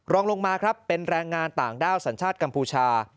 รองลงมาครับเป็นแรงงานต่างด้าวสัญชาติกัมพูชา